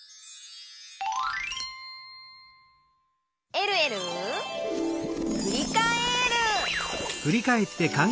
「えるえるふりかえる」